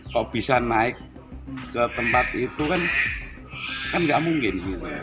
kok bisa naik ke tempat itu kan kan nggak mungkin